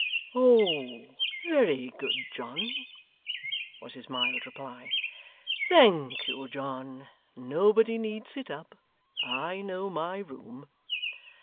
'Oh. Very good, John,' was his mild reply. 'Thank you, John. Nobody need sit up. I know my room.